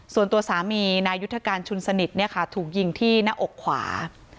ส่วนตัวสามีนายุทธการชุนสนิทถูกยิงที่หน้าอกขวา